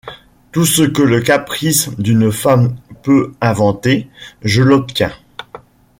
Tout ce que le caprice d’une femme peut inventer, je l’obtiens.